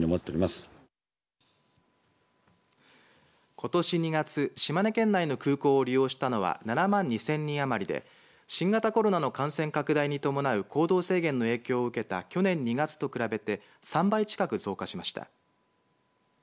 ことし２月島根県内の空港を利用したのは７万２０００人余りで新型コロナの感染拡大に伴う行動制限の影響を受けた去年２月と比べて３倍近く増加しました。